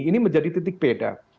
ini menjadi titik beda